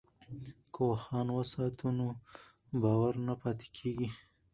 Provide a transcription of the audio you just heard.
که اوښان وساتو نو بار نه پاتې کیږي.